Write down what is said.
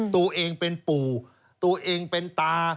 ตัวเองเป็นปู่ตัวเองเป็นตา